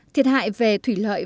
thiệt hại về thủy lợi